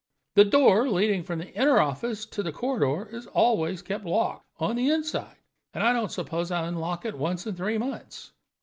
The door leading from the inner office to the corridor is always kept locked on the inside, and I don't suppose I unlock it once in three months.